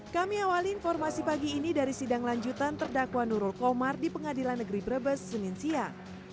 kami awali informasi pagi ini dari sidang lanjutan terdakwa nurul komar di pengadilan negeri brebes senin siang